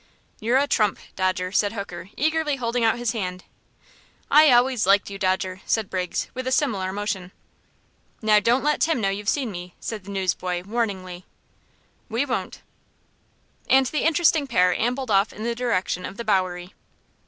"You're a trump, Dodger," said Hooker, eagerly holding out his hand. "I always liked you, Dodger," said Briggs, with a similar motion. "Now, don't let Tim know you've seen me," said the newsboy, warningly. "We won't." And the interesting pair ambled off in the direction of the Bowery.